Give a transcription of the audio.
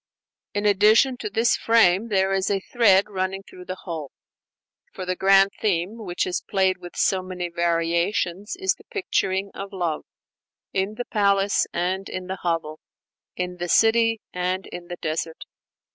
In addition to this "frame," there is a thread running through the whole; for the grand theme which is played with so many variations is the picturing of love in the palace and in the hovel, in the city and in the desert.